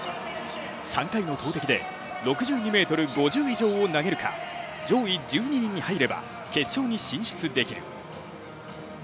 ３回の投てきで６２ｍ５０以上を投げるか上位１２人に入れば決勝に進出できる。